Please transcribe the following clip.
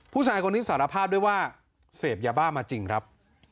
ผู้ชายคนนี้สารภาพด้วยว่าเสพยาบ้ามาจริงครับ